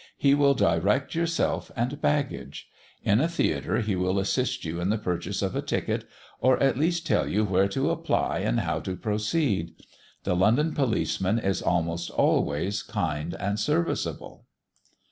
He will direct yourself and baggage; in a theatre, he will assist you in the purchase of a ticket, or at least tell you where to apply and how to proceed. The London policeman is almost always kind and serviceable.